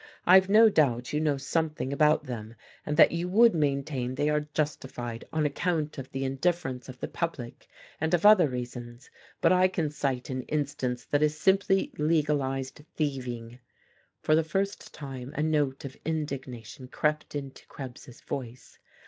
I've no doubt you know something about them, and that you would maintain they are justified on account of the indifference of the public, and of other reasons, but I can cite an instance that is simply legalized thieving." For the first time a note of indignation crept into Krebs's voice.